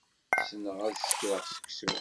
Ssneɣ ad sekreɣ seksu.